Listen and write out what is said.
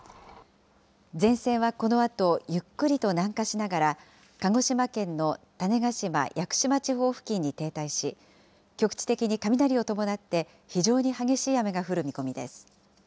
前線はこのあと、ゆっくりと南下しながら、鹿児島県の種子島・屋久島地方付近に停滞し、局地的に雷を伴って非常に激しい雨が降る見込みです。